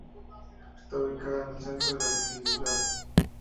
Está ubicada en el centro de la localidad.